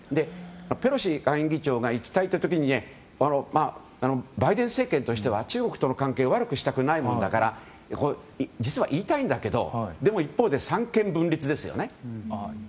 ペロシ下院議長が行きたいと言った時にバイデン政権としては中国との関係を悪くしたくないものだから実は言いたいんだけどでも、一方で三権分立ですよね。